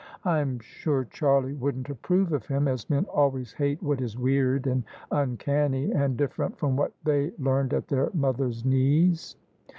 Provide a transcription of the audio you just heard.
I'm sure Charlie wouldn't approve of him, as men always hate what is weird and uncanny and different from what they learned at their mothers* knees.